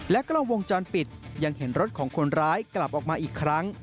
กล้องวงจรปิดยังเห็นรถของคนร้ายกลับออกมาอีกครั้ง